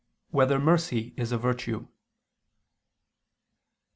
3] Whether Mercy Is a Virtue?